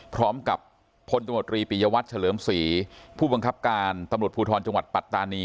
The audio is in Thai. พร้อมกับพลตมตรีปียวัตรเฉลิมศรีผู้บังคับการตำรวจภูทรจังหวัดปัตตานี